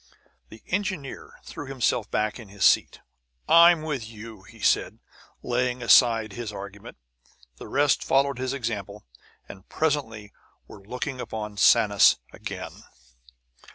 The engineer threw himself back in his seat. "I'm with you," said he, laying aside his argument. The rest followed his example, and presently were looking upon Sanus again.